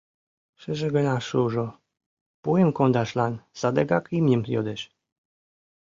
Шыже гына шужо, пуым кондашлан садыгак имньым йодеш.